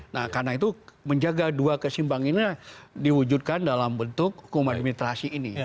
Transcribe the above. nah karena itu menjaga dua keseimbangan ini diwujudkan dalam bentuk hukuman demilitarasi ini